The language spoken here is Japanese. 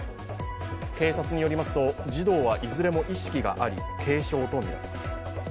警察によりますと児童はいずれも意識があり、軽症とみられます。